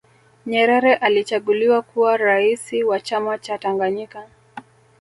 nyerere alichaguliwa kuwa raisi wa chama cha tanganyika